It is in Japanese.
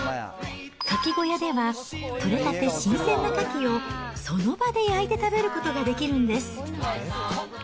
カキ小屋では取れたて新鮮なカキを、その場で焼いて食べることができるんです。